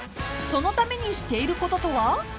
［そのためにしていることとは？］